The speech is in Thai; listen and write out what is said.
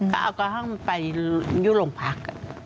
เขาก็เอาไปอยู่ลงพัก